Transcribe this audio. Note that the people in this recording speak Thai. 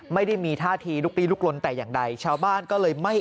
ไม่ได้มีท่าทีลุกลี้ลุกลนแต่อย่างใดชาวบ้านก็เลยไม่